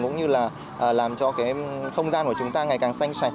cũng như là làm cho cái không gian của chúng ta ngày càng xanh sạch